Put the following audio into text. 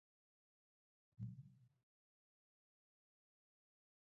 ځمکه د افغانانو د اړتیاوو د پوره کولو یوه مهمه وسیله ده.